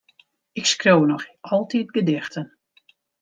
Ik skriuw noch altyd gedichten.